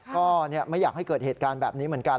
ก็ไม่อยากให้เกิดเหตุการณ์แบบนี้เหมือนกัน